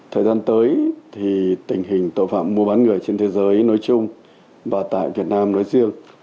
thời gian tới thì tình hình tội phạm mua bán người trên thế giới nói chung và tại việt nam nói riêng